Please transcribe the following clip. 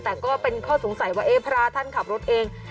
แต่ก็เป็นข้อสงสัยว่าพระท่านขับรถเอง